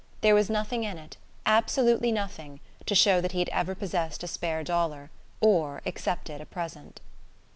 There was nothing in it, absolutely nothing, to show that he had ever possessed a spare dollar or accepted a present.